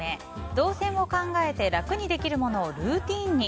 動線を考えて楽にできるものをルーチンに。